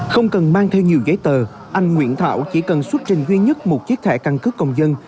không cần mang theo nhiều giấy tờ anh nguyễn thảo chỉ cần xuất trình duy nhất một chiếc thẻ căn cước công dân